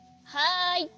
はい！